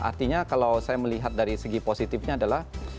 artinya kalau saya melihat dari segi positifnya adalah